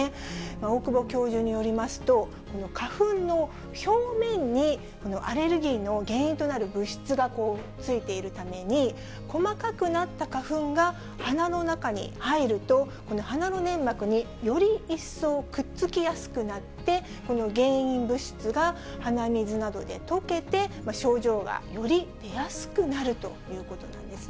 大久保教授によりますと、花粉の表面にアレルギーの原因となる物質がついているために、細かくなった花粉が鼻の中に入ると、この鼻の粘膜により一層、くっつきやすくなって、この原因物質が鼻水などで溶けて、症状がより出やすくなるということなんですね。